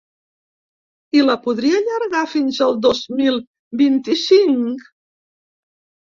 I la podria allargar fins el dos mil vint-i-cinc?